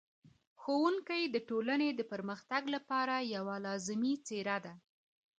ښوونکی د ټولنې د پرمختګ لپاره یوه لازمي څېره ده.